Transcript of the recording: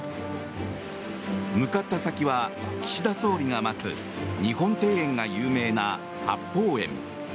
向かった先は岸田総理が待つ日本庭園が有名な八芳園。